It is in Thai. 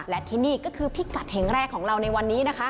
และที่นี่ก็คือพิกัดแห่งแรกของเราในวันนี้นะคะ